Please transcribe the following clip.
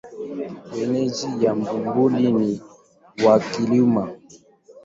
Wenyeji wa Bumbuli ni wakulima.